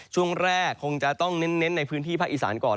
ช่วงแรกคงจะต้องเน้นในพื้นที่ภาคอีสานก่อน